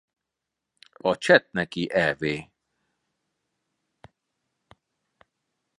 A csetneki ev.